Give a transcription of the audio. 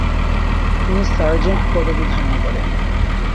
তিনি সার্জেন্ট পদবী ধারণ করেন।